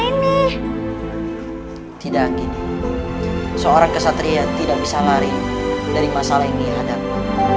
ini tidak seorang kesatria tidak bisa lari dari masalah ini hadap